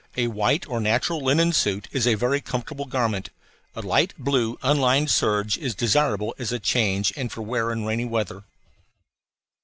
A white or natural linen suit is a very comfortable garment. A light blue unlined serge is desirable as a change and for wear in rainy weather.